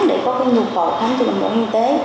để có cái nhu cầu khám chữa bệnh bộ y tế